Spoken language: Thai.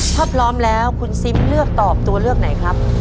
ถ้าพร้อมแล้วคุณซิมเลือกตอบตัวเลือกไหนครับ